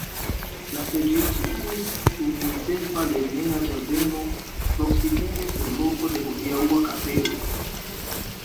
La preĝejo situis sur nuntempa lerneja ĝardeno, proksimume sur loko de hodiaŭa kapelo.